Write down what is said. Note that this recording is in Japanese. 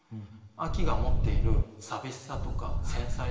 秋が持っている寂しさとか繊細さ。